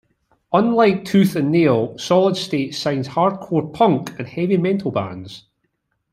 Unlike Tooth and Nail, Solid State signs hardcore punk and heavy metal bands.